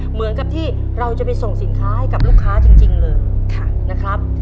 เหมือนกับที่เราจะไปส่งสินค้าให้กับลูกค้าจริงเลยนะครับ